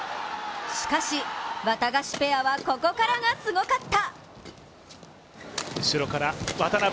しかし、ワタガシペアはここからがすごかった。